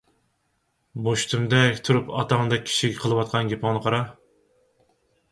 — مۇشتۇمدەك تۇرۇپ، ئاتاڭدەك كىشىگە قىلىۋاتقان گېپىڭنى قارا.